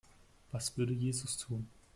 Was würde Jesus tun?